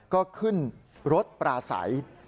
ก็ขึ้นรถปลาใส